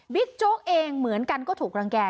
โจ๊กเองเหมือนกันก็ถูกรังแก่